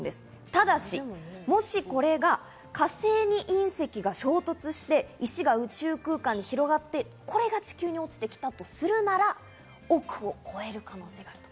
ただし、火星に隕石が衝突して石が宇宙空間に広がって、これが地球に落ちてきたとするなら、億を超える可能性があると。